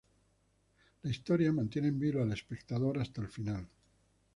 La historia mantiene en vilo al espectador hasta el final.